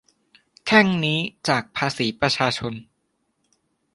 แข้งนี้จากภาษีประชาชน